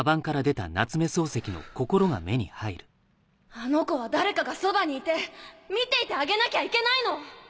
あの子は誰かがそばにいて見ていてあげなきゃいけないの！